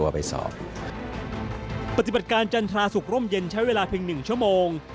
ปฏิบัติการจันทราศุกร์ร่มเย็นใช้เวลาเพียง๑ชั่วโมง